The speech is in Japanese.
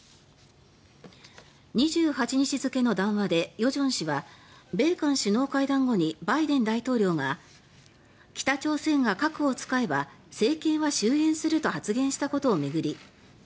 ２８日付の談話で与正氏は米韓首脳会談後にバイデン大統領が北朝鮮が核を使えば政権は終えんすると発言したことを巡り